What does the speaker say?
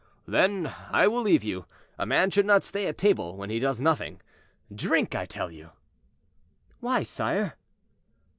"Then, I will leave you; a man should not stay at table when he does nothing. Drink, I tell you." "Why, sire?"